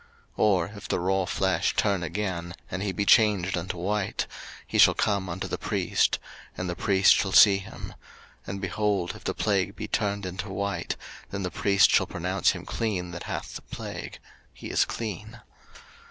03:013:016 Or if the raw flesh turn again, and be changed unto white, he shall come unto the priest; 03:013:017 And the priest shall see him: and, behold, if the plague be turned into white; then the priest shall pronounce him clean that hath the plague: he is clean.